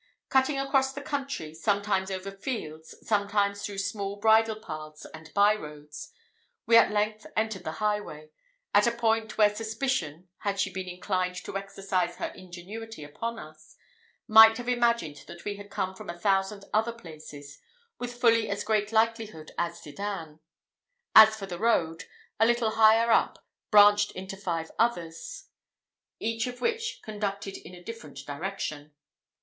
Cutting across the country, sometimes over fields, sometimes through small bridle paths and by roads, we at length entered the highway, at a point where suspicion, had she been inclined to exercise her ingenuity upon us, might have imagined that we had come from a thousand other places, with fully as great likelihood as Sedan; for the road, a little higher up, branched into five others, each of which conducted in a different direction.